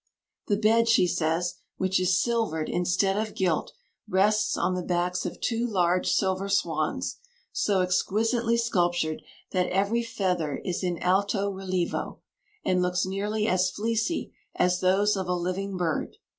"The bed," she says, "which is silvered instead of gilt, rests on the backs of two large silver swans, so exquisitely sculptured that every feather is in alto relievo, and looks nearly as fleecy as those of a living bird.